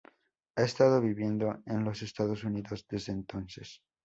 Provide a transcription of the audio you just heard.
Ha estado viviendo en los Estados Unidos desde entonces.